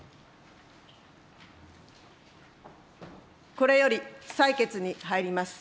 これより採決に入ります。